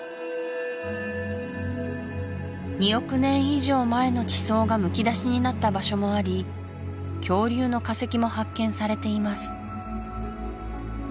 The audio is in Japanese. ２億年以上前の地層がむき出しになった場所もあり恐竜の化石も発見されています